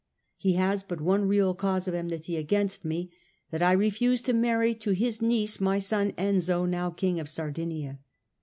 He has but one real cause of enmity against me, that I refused to marry to his niece my son Enzio, now King of Sardinia.